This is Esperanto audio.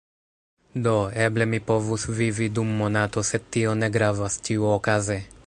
Do, eble mi povus vivi dum monato sed tio ne gravas ĉiuokaze